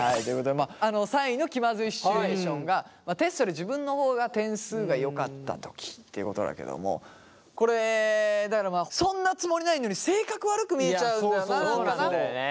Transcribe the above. まああの３位の気まずいシチュエーションがテストで自分の方が点数がよかった時ということだけどもこれだからまあそんなつもりないのに性格悪く見えちゃうんだよな何かな。